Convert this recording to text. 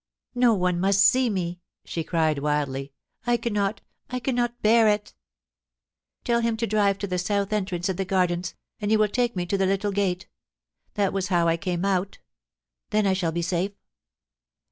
* No one must see me,' she cried wildly. * I cannot— I cannot bear it Tell him to drive to the south entrance of the Gardens, and you will take me to the little gate. That was how I came out Then I shall be safe.'